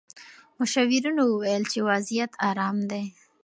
مشاورینو وویل چې وضعیت ارام دی.